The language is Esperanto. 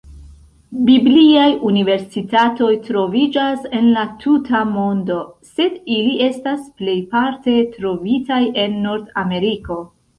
Bibliaj universitatoj troviĝas en la tuta mondo, sed ili estas plejparte trovitaj en Nordameriko.